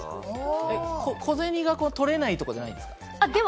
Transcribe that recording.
小銭が取れないとかじゃないですか？